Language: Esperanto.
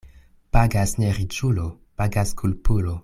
Pagas ne riĉulo, pagas kulpulo.